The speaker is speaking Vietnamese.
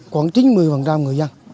khoảng chín mươi người dân